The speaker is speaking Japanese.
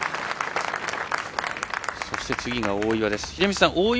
そして次が大岩。